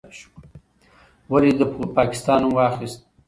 ولې دې د پاکستان نوم واخیست؟